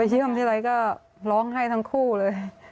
เยี่ยมทีไรก็ร้องไห้ทั้งคู่เลย